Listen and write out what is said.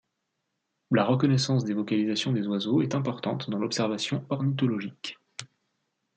La reconnaissance des vocalisations des oiseaux est importante dans l'observation ornithologique.